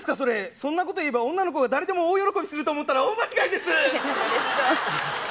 そんなこと言えば女の子が誰でも大喜びすると思ったら大間違いです！